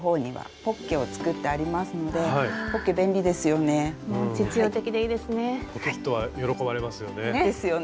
ポケットは喜ばれますよね。